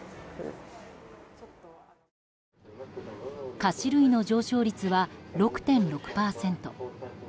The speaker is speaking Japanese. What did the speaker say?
菓子類の上昇率は６．６％。